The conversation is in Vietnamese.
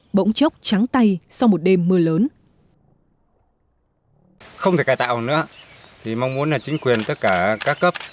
không thể cài tạo nữa mong muốn chính quyền tất cả các cấp